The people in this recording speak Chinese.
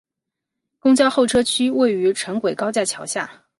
公交候车区位于城轨高架桥下。